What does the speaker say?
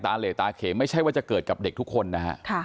เหลตาเขมไม่ใช่ว่าจะเกิดกับเด็กทุกคนนะฮะ